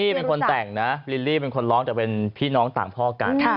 นี่เป็นคนแต่งนะลิลลี่เป็นคนร้องแต่เป็นพี่น้องต่างพ่อกัน